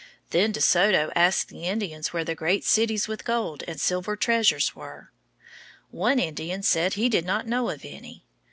Then De Soto asked the Indians where the great cities with gold and silver treasures were. One Indian said he did not know of any.